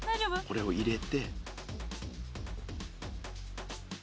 これを入れて。